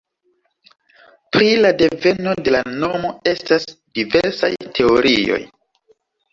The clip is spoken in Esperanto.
Pri la deveno de la nomo estas diversaj teorioj.